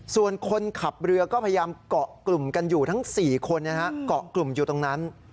ส่วนคนขับเรือก็พยายามเกาะกลุ่มกันอยู่ทั้ง๔คนเกาะกลุ่มอยู่ตรงนั้น